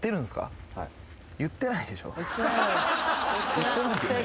言ってないよね？